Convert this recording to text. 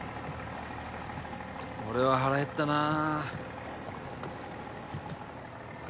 俺は腹へったなあ